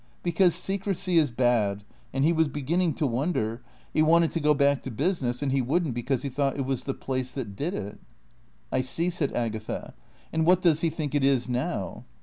"Because secrecy is bad. And he was beginning to wonder. He wanted to go back to business; and he wouldn't because he thought it was the place that did it." "I see," said Agatha. "And what does he think it is now?"